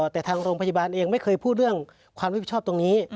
แต่ทางโรงพยาบาลเองไม่เคยพูดเรื่องความรับผิดชอบตรงนี้